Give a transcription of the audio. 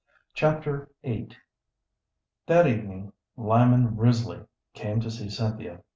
Chapter VIII That evening Lyman Risley came to see Cynthia.